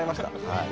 はい。